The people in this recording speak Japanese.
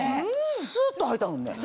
スっとはいたもんね。